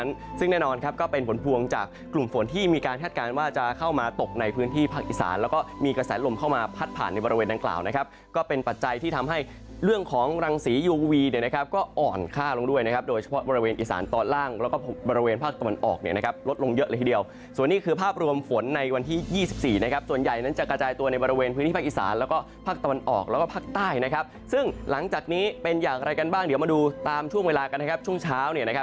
ยูวีเนี่ยนะครับก็อ่อนค่าลงด้วยนะครับโดยเฉพาะบริเวณอีสานตอนล่างแล้วก็บริเวณภาคตะวันออกเนี่ยนะครับลดลงเยอะเลยทีเดียวส่วนนี้คือภาพรวมฝนในวันที่ยี่สิบสี่นะครับส่วนใหญ่นั้นจะกระจายตัวในบริเวณพื้นที่ภาคอีสานแล้วก็ภาคตะวันออกแล้วก็ภาคใต้นะครับซึ่งหลังจากนี้เป็นอย่างอะไรก